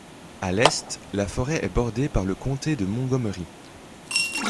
À l'est, la forêt est bordée par le comté de Montgomery.